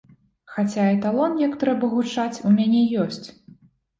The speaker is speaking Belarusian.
Хаця эталон, як трэба гучаць, у мяне ёсць.